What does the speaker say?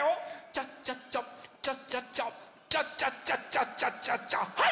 チャッチャッチャチャッチャッチャチャッチャッチャッチャッチャッチャッチャはい！